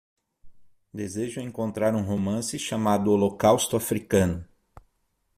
Desejo encontrar um romance chamado Holocausto Africano